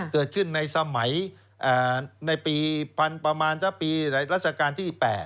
เกิดขึ้นในสมัยประมาณในปีรัศกาลที่๘